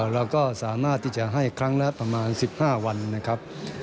เราก็สามารถที่จะให้ครั้งละประมาณ๑๕วันนะครับ